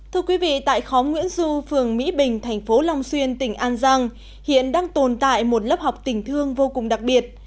thưa quý vị tại khóm nguyễn du phường mỹ bình thành phố long xuyên tỉnh an giang hiện đang tồn tại một lớp học tình thương vô cùng đặc biệt